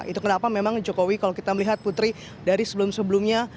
itu kenapa memang jokowi kalau kita melihat putri dari sebelum sebelumnya